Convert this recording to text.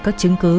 các chứng cứ